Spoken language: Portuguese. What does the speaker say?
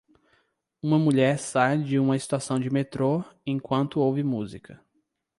Uma mulher sai de uma estação de metrô enquanto ouve música.